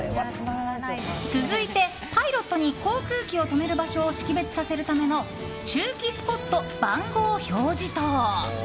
続いて、パイロットに航空機を止める場所を識別させるための駐機スポット番号表示灯。